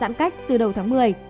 giãn cách từ đầu tháng một mươi